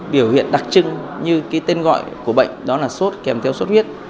biểu hiện đặc trưng như tên gọi của bệnh đó là sốt kèm theo xuất huyết